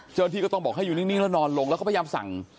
เจ้าหน้าที่ก็ต้องบอกให้อยู่นิ่งแล้วนอนลงแล้วเขาพยายามสั่ง